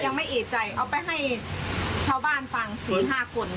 ยังไม่เอกใจเอาไปให้ชาวบ้านฟัง๔๕คน